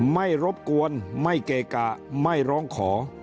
ไม่รบกวนไม่เกะกะไม่ร้องขอ